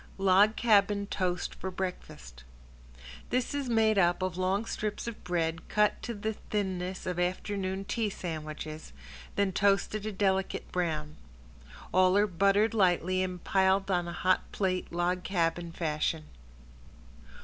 ~LOG CABIN TOAST FOR BREAKFAST~ This is made up of long strips of bread cut to the thinness of afternoon tea sandwiches, then toasted a delicate brown. All are lightly buttered and piled on a hot plate log cabin fashion.